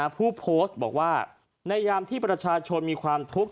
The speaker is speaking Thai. ผู้โพสต์บอกว่าในยามที่ประชาชนมีความทุกข์